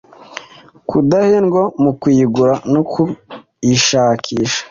kudahendwa mu kuyigura no kuyishakisha